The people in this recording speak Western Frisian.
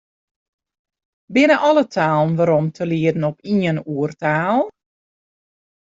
Binne alle talen werom te lieden op ien oertaal?